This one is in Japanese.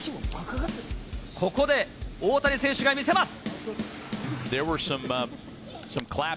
ここで大谷選手が見せます。